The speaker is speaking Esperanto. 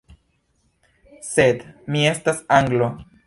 Sed, mi estas Anglo.